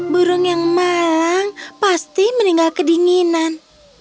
burung yang malang pasti meninggal kedinginan